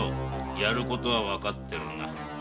やることはわかっているな。